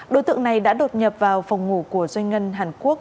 đối tượng này đã đột nhập vào phòng ngủ của doanh ngân hàn quốc